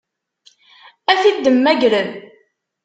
Ad t-id-temmagrem?